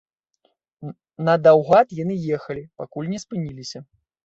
Надаўгад яны ехалі, пакуль не спыніліся.